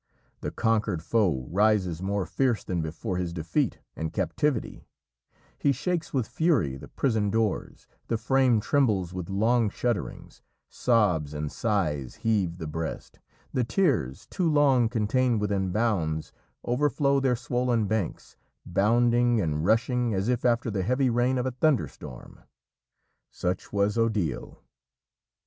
The conquered foe rises more fierce than before his defeat and captivity; he shakes with fury the prison doors, the frame trembles with long shudderings, sobs and sighs heave the breast, the tears, too long contained within bounds, overflow their swollen banks, bounding and rushing as if after the heavy rain of a thunderstorm. Such was Odile.